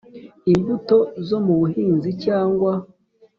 imbuto zo mu buhinzi cyangwa